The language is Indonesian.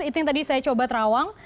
itu yang tadi saya coba terawang